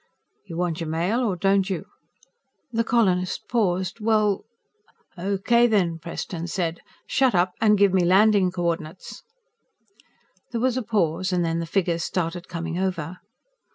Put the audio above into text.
"You want your mail or don't you?" The colonist paused. "Well " "Okay, then," Preston said. "Shut up and give me landing coordinates!" There was a pause, and then the figures started coming over.